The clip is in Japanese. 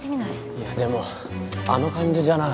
いやでもあの感じじゃな。